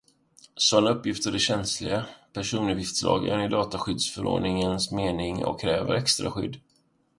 Sådana uppgifter är känsliga personuppgifter i dataskyddsförordningens mening och kräver extra skydd.